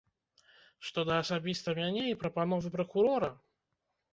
Што да асабіста мяне і прапановы пракурора.